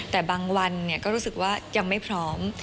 แต่บางวันก็รู้สึกว่ายังไม่พร้อม